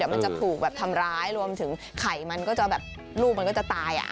มันจะถูกแบบทำร้ายรวมถึงไข่มันก็จะแบบลูกมันก็จะตาย